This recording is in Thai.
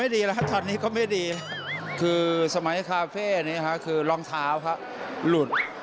เดี๋ยวจะก้าวเท้าให้รู้